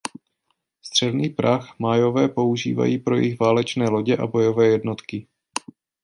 Střelný prach Mayové používají pro jejich válečné lodě a bojové jednotky.